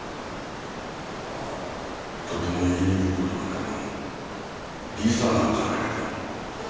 まあとっても言いにくいことなんだけども理紗なんじゃないかと。